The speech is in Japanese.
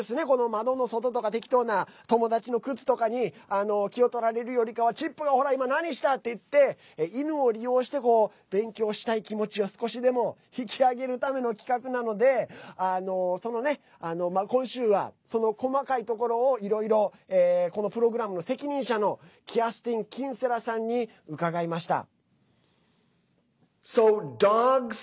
窓の外とか適当な友達の靴とかに気をとられるよりかは「チップがほら、今、何した！」っていって犬を利用して勉強したい気持ちを少しでも引き上げるための企画なので今週は細かいところをいろいろこのプログラムの責任者のキアスティン・キンセラさんに伺いました。